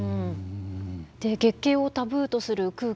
月経をタブーとする空気